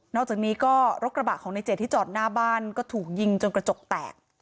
อกจากนี้ก็รถกระบะของในเจดที่จอดหน้าบ้านก็ถูกยิงจนกระจกแตก